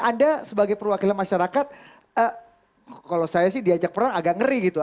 anda sebagai perwakilan masyarakat kalau saya sih diajak perang agak ngeri gitu